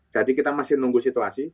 jadi kita masih nunggu situasi